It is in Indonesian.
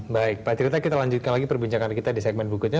baik pak cerita kita lanjutkan lagi perbincangan kita di segmen berikutnya